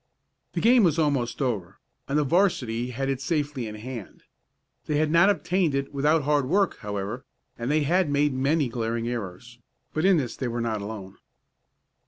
The game was almost over, and the 'varsity had it safely in hand. They had not obtained it without hard work, however, and they had made many glaring errors, but in this they were not alone.